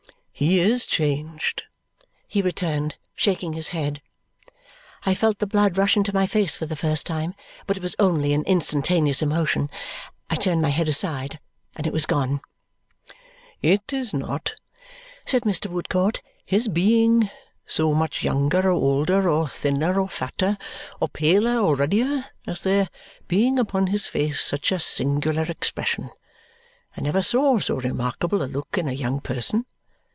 "He is changed," he returned, shaking his head. I felt the blood rush into my face for the first time, but it was only an instantaneous emotion. I turned my head aside, and it was gone. "It is not," said Mr. Woodcourt, "his being so much younger or older, or thinner or fatter, or paler or ruddier, as there being upon his face such a singular expression. I never saw so remarkable a look in a young person.